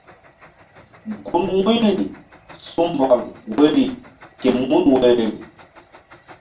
Gun wu̧y su̧ mbɔl woyri mun woyri.